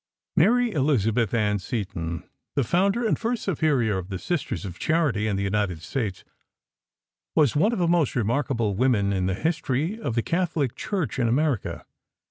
Mother Elizabeth Ann Seton, the founder and first Superior of the Sisters of Charity in the United States, was one of the most remarkable women in the history of the Catholic Church in America.